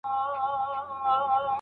موږ ته ډک کندو له شاتو مالامال وي